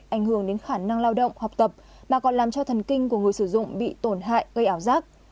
ảnh hưởng đến khả năng lao động học tập mà còn làm cho thần kinh của người sử dụng bị tổn hại gây ảo giác